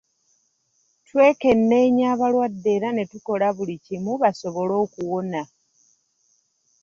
Twekenneenya abalwadde era ne tukola buli kimu basobole okuwona.